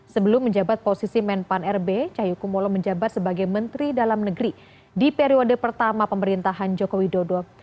sebelum menjabat posisi menpan rb cahyokumolo menjabat sebagai menteri dalam negeri di periode pertama pemerintahan joko widodo